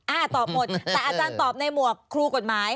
ตอบหมดแต่อาจารย์ตอบในหมวกครูกฎหมาย